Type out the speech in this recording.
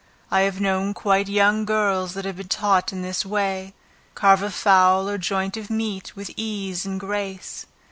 I have known quite young girls that had been taught in this way, carve a fowl or joint of meat with ease and grace.